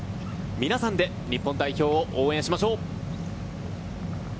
皆さんで日本代表を応援しましょう。